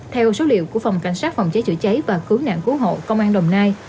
theo số liệu của phòng cảnh sát phòng cháy chữa cháy và cứu nạn cứu hộ công an đồng nai